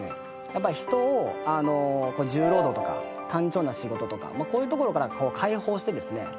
やっぱり人を重労働とか単調な仕事とかこういうところから解放してですね